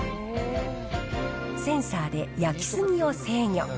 センサーで焼き過ぎを制御。